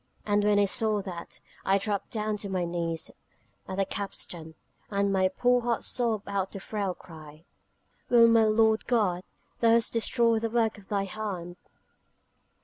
And when I saw that, I dropped down upon my knees at the capstan, and my poor heart sobbed out the frail cry: 'Well, Lord God, Thou hast destroyed the work of Thy hand...'